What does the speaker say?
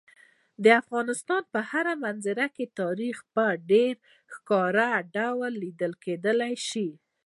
د افغانستان په هره منظره کې تاریخ په ډېر ښکاره ډول لیدل کېدی شي.